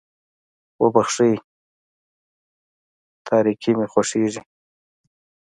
وبښئ تاريکي مې خوښېږي.